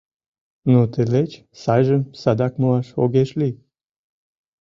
Но тылеч сайжым садак муаш огеш лий.